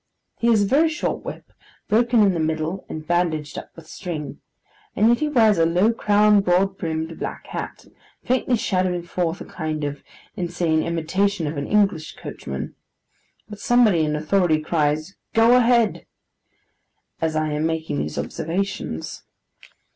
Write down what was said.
He has a very short whip, broken in the middle and bandaged up with string. And yet he wears a low crowned, broad brimmed, black hat: faintly shadowing forth a kind of insane imitation of an English coachman! But somebody in authority cries 'Go ahead!' as I am making these observations.